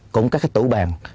cũng các tủ bàn